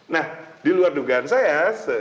nah di luar dugaan saya